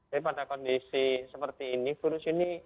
jadi pada kondisi seperti ini virus ini